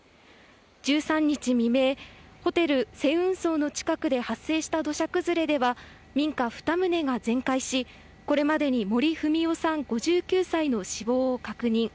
１３日未明、ホテル青雲荘の近くで発生した土砂崩れでは、民家２棟が全壊し、これまでに森文代さん５９歳の死亡を確認。